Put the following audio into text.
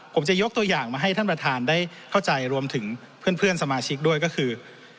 ผมจะยกตัวอย่างมาให้ท่านประธานได้เข้าใจรวมถึงเพื่อนสมาชิกด้วยก็คือ